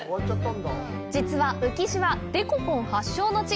実は宇城市はデコポン発祥の地。